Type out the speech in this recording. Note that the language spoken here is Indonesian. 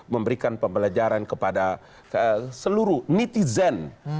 memberikan pembelajaran kepada seluruh netizen